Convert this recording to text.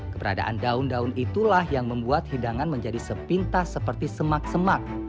keberadaan daun daun itulah yang membuat hidangan menjadi sepintas seperti semak semak